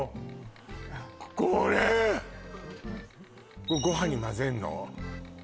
これご飯にまぜんの？